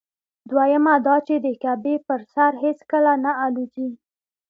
دویمه دا چې د کعبې پر سر هېڅکله نه الوزي.